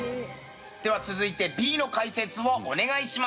では続いてＢの解説をお願いします。